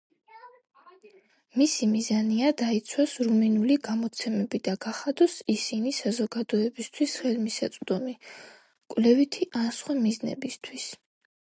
მისი მიზანია დაიცვას რუმინული გამოცემები და გახადოს ისისნი საზოგადოებისთვის ხელმისაწვდომი კვლევითი ან სხვა მიზნებისთვის.